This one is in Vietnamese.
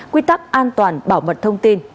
quy tắc an toàn bảo mật thông tin